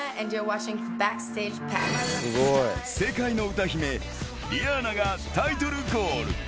世界の歌姫、リアーナがタイトルコール。